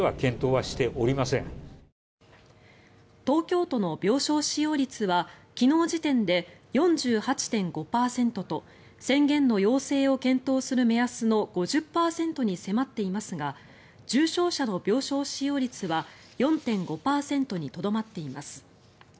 東京都の病床使用率は昨日時点で４８．５％と宣言の要請を検討する目安の５０％に迫っていますが重症者の病床使用率は４．５％にとどまっています。